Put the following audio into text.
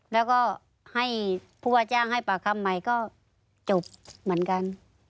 แล้วก็ให้ผู้ว่าจ้างให้ปากคำใหม่ก็จบเหมือนกัน